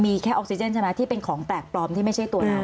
มีแค่ออกซิเจนใช่ไหมที่เป็นของแปลกปลอมที่ไม่ใช่ตัวเรา